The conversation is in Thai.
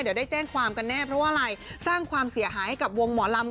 เดี๋ยวได้แจ้งความกันแน่เพราะว่าอะไรสร้างความเสียหายให้กับวงหมอลำ